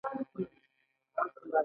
دا ښيي چې څنګه ناهمغږي رامنځته کیږي.